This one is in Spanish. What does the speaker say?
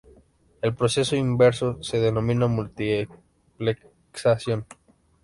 El proceso inverso se denomina Multiplexación.